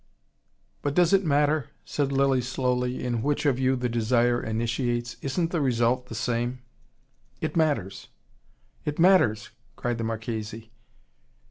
"But does it matter?" said Lilly slowly, "in which of you the desire initiates? Isn't the result the same?" "It matters. It matters " cried the Marchese.